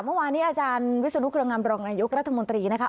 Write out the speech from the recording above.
เมื่อวานี้อาจารย์วิศนุกฐานการบรมยกรัฐมนตรีนะคะ